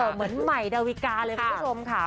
เหมือนใหม่ดาวิกาเลยคุณผู้ชมค่ะ